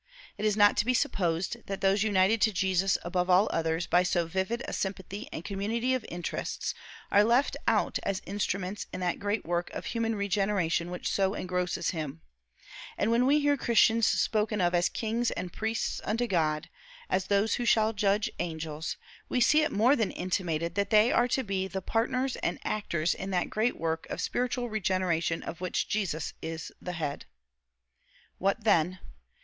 It is not to be supposed that those united to Jesus above all others by so vivid a sympathy and community of interests are left out as instruments in that great work of human regeneration which so engrosses him; and when we hear Christians spoken of as kings and priests unto God, as those who shall judge angels, we see it more than intimated that they are to be the partners and actors in that great work of spiritual regeneration of which Jesus is the head. What then?